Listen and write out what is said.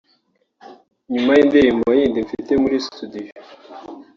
“nyuma y’indirimbo yindi mfite muri studio